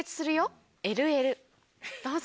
どうぞ。